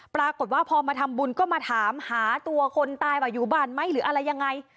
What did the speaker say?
ปรากฏว่าพอมาทำบุญก็มาถามหาตัวคนตายว่าอยู่บ้านไหมหรืออะไรยังไง